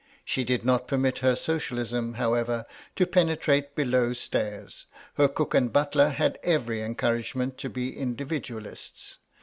She did not permit her Socialism, however, to penetrate below stairs; her cook and butler had every encouragement to be Individualists.